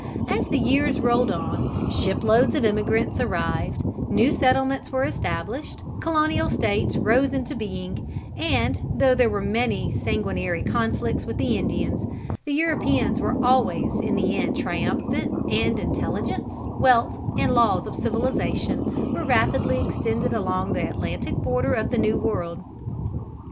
As the years rolled on, ship loads of emigrants arrived, new settlements were established, colonial States rose into being, and, though there were many sanguinary conflicts with the Indians, the Europeans were always in the end triumphant, and intelligence, wealth, and laws of civilization were rapidly extended along the Atlantic border of the New World.